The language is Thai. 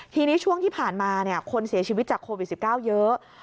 ทีนี้ช่วงที่ผ่านมาคนเสียชีวิตจากโควิด๑๙เยอะ